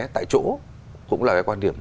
tại chỗ cũng là cái quan điểm